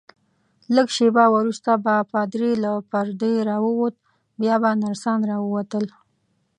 لږ شیبه وروسته به پادري له پردې راووت، بیا به نرسان راووتل.